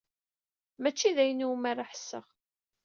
Mačči d ayen iwumi ara ḥesseɣ.